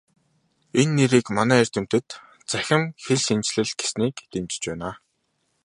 Энэ нэрийг манай эрдэмтэд "Цахим хэлшинжлэл" гэснийг дэмжиж байна.